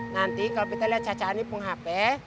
nanti kalau betta lihat caca ani punggah hape